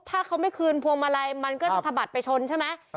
ถ้าเขาไม่คืนพวงมาลัยมันก็จะสะบัดไปชนใช่ไหม